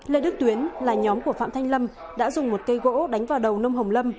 lê đức tuyến là nhóm của phạm thanh lâm đã dùng một cây gỗ đánh vào đầu nông hồng lâm